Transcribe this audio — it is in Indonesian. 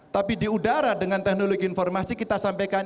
tapi di udara dengan teknologi informasi kita sampaikan